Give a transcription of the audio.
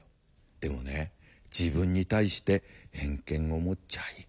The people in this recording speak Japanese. でもね自分に対して偏見を持っちゃいけないんだよ」。